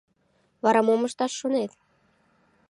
Вара мом ышташ шонет?